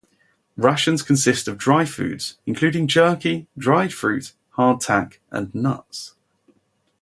Rations consist of dry foods, including jerky, dried fruit, hardtack, and nuts.